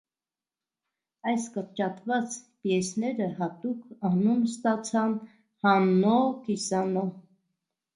Այս կրճատված պիեսները հատուկ անուն ստացան՝ հաննո («կիսանո»)։